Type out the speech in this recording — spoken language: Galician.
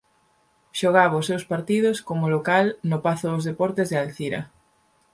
Xogaba os seus partidos como local no Pazo dos Deportes de Alzira.